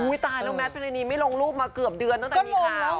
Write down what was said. อุ้ยตายแล้วแมทเพรนีไม่ลงรูปมาเกือบเดือนตั้งแต่นี้คราว